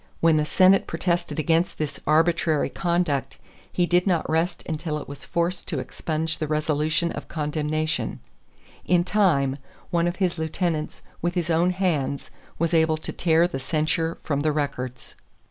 When the Senate protested against this arbitrary conduct, he did not rest until it was forced to expunge the resolution of condemnation; in time one of his lieutenants with his own hands was able to tear the censure from the records.